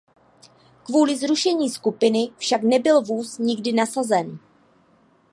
Kvůli zrušení skupiny však nebyl vůz nikdy nasazen.